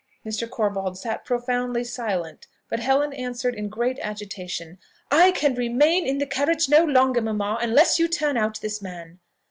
Mr. Corbold sat profoundly silent; but Helen answered, in great agitation, "I can remain in the carriage no longer, mamma, unless you turn out this man!"